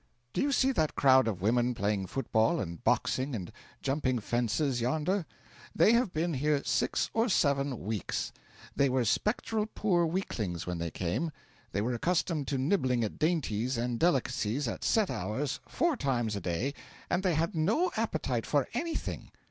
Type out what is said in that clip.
'Do you see that crowd of women playing football, and boxing, and jumping fences yonder? They have been here six or seven weeks. They were spectral poor weaklings when they came. They were accustomed to nibbling at dainties and delicacies at set hours four times a day, and they had no appetite for anything.